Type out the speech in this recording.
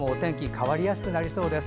変わりやすくなりそうです。